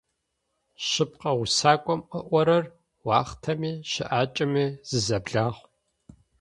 Шъыпкъэ усакӏом ыӏорэр - уахътэми щыӏакӏэми зызэблахъу.